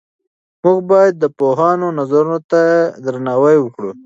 موږ باید د پوهانو نظرونو ته درناوی وکړو.